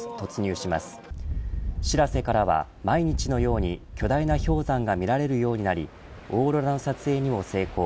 しらせからは毎日のように巨大な氷山が見られるようになりオーロラの撮影にも成功。